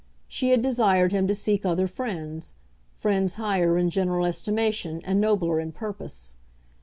She had desired him to seek other friends, friends higher in general estimation, and nobler in purpose.